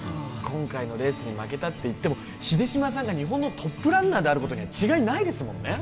今回のレースに負けたっていっても秀島さんが日本のトップランナーであることには違いないですもんね